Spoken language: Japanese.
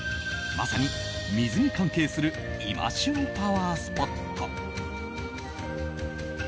まさに水に関係する今旬のパワースポット。